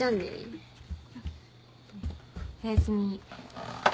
おやすみ。